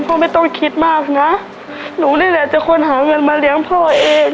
พ่อไม่ต้องคิดมากนะหนูนี่แหละจะควรหาเงินมาเลี้ยงพ่อเอง